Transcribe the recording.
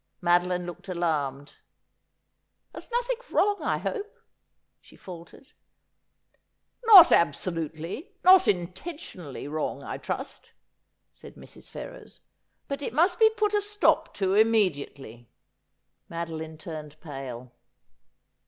Madeline looked alarmed. ' There's nothing wrong, I hope,' she faltered. ' Not absolutely — not intentionally wrong, I trust,' said Mrs. Ferrers. ' But it must be put a stop to immediately.' Madoline turned pale.